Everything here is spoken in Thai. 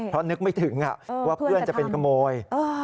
เพราะนึกไม่ถึงว่าเพื่อนจะเป็นขโมย